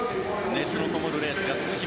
熱のこもるレースが続く